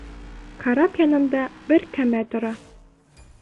Карап янында бер кәмә тора.